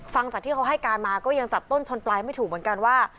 ฟังจากที่เขาให้การมาก็ยังจับต้นชนปลายไม่ถูกเหมือนกันว่า